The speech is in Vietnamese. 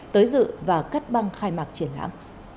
tới dự và cắt băng khai mạc triển lãm